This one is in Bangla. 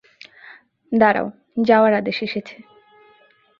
দাঁড়াও, যাওয়ার আদেশ এসেছে।